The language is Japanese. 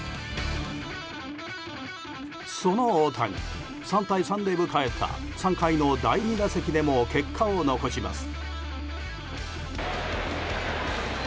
その大谷、３対３で迎えた３回の第２打席でも結果を残します。